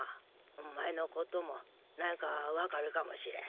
お前のことも何か分かるかもしれん。